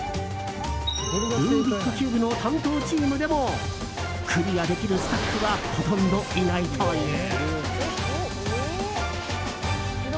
ルービックキューブの担当チームでもクリアできるスタッフはほとんどいないという。